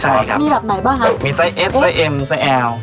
ใช่ครับมีแบบไหนบ้างคะมีไส้เอ็ดไส้เอ็มไส้แอล